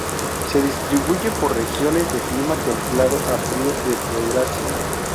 Se distribuye por regiones de clima templado a frío de Eurasia.